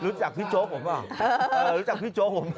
รู้จักพี่โจ๊กผมเหรอ